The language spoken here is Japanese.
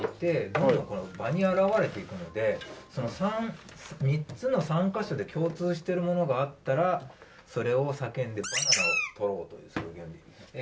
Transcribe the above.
どんどんこの場に現れていくので３つの３カ所で共通してるものがあったらそれを叫んでバナナを取ろうというそういうゲームです。